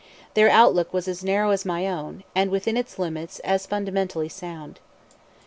Their outlook was as narrow as my own, and, within its limits, as fundamentally sound.